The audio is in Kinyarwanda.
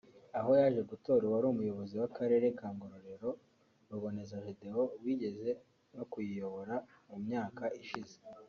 aho yaje gutora uwari Umuyobozi w’Akarere ka Ngororero Ruboneza Gedeon wigeze no kuyiyobora mu myaka ishize